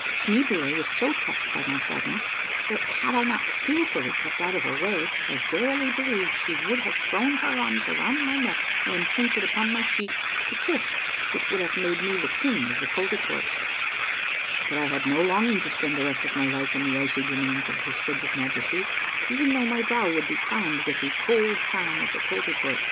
Schneeboule was so touched by my sadness that, had I not skilfully kept out of her way, I verily believe she would have thrown her arms around my neck and imprinted upon my cheek the kiss which would have made me the king of the Kolty kwerps; but I had no longing to spend the rest of my life in the icy domains of his frigid Majesty, even though my brow would be crowned with the cold crown of the Koltykwerps.